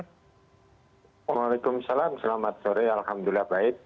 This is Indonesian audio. waalaikumsalam selamat sore alhamdulillah baik